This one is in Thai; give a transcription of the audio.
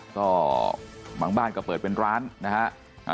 ก็บางบ้านก็เปิดเป็นร้านนะฮะ